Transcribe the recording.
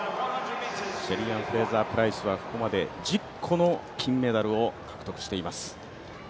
シェリーアン・フレイザープライスはここまで１０個の金メダルを獲得しています。